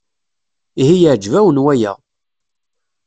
Ihi yeɛjeb-awen waya?